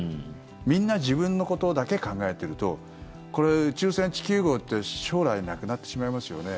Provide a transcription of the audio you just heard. みんな自分のことだけ考えてると宇宙船地球号って将来なくなってしまいますよね。